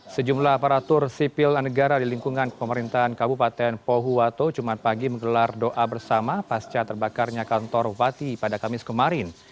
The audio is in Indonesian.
sejumlah aparatur sipil negara di lingkungan pemerintahan kabupaten pohuwato jumat pagi menggelar doa bersama pasca terbakarnya kantor bupati pada kamis kemarin